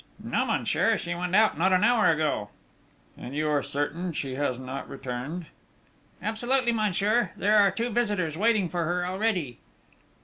"No, monsieur. She went out not an hour ago!" "And you are certain she has not returned?" "Absolutely, monsieur.... There are two visitors waiting for her already."